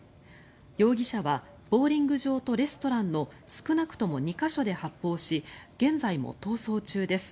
容疑者はボウリング場とレストランの少なくとも２か所で発砲し現在も逃走中です。